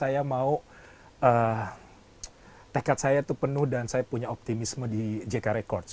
saya mau tekad saya itu penuh dan saya punya optimisme di jk record